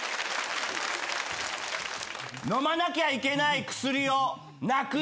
飲まなきゃいけない薬をなくしたよ。